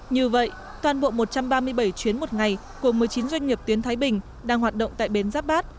như vậy toàn bộ một trăm ba mươi bảy chuyến một ngày của một mươi chín doanh nghiệp tuyến thái bình đang hoạt động tại bến giáp bát